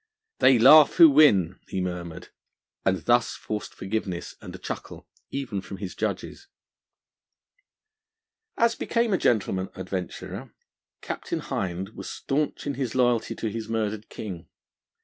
'They laugh who win!' he murmured, and thus forced forgiveness and a chuckle even from his judges. As became a gentleman adventurer, Captain Hind was staunch in his loyalty to his murdered King.